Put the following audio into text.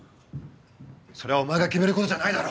それはお前が決めることじゃないだろ。